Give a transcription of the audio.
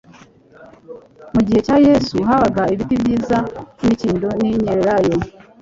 Mu gihe cya Yesu habaga ibiti byiza by'imikindo n'imyelayo;